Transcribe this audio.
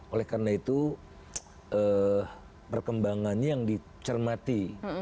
oleh karena itu perkembangannya yang dicermati